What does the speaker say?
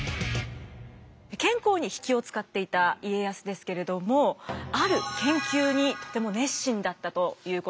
健康に気を遣っていた家康ですけれどもある研究にとても熱心だったということなんです。